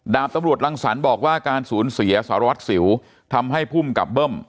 ดาบตำรวจรังสรรค์บอกว่าการสูญเสียสารวัตรสิวทำให้ภูมิกับเบิ้ม